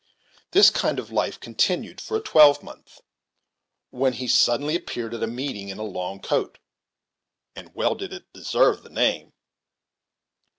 This kind of life continued for a twelvemonth, when he suddenly appeared at a meeting in a long coat (and well did it deserve the name!)